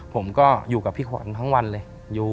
ผมก็อยู่กับพี่ขวัญทั้งวันเลย